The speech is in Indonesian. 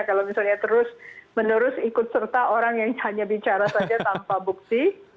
kalau misalnya terus menerus ikut serta orang yang hanya bicara saja tanpa bukti